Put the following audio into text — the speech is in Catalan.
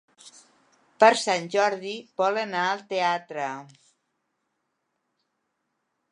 Per Sant Jordi vol anar al teatre.